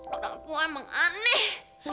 orangku emang aneh